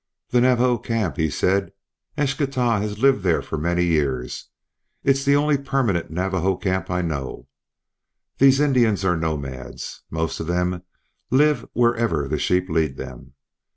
"The Navajo camp," he said. "Eschtah has lived there for many years. It's the only permanent Navajo camp I know. These Indians are nomads. Most of them live wherever the sheep lead them.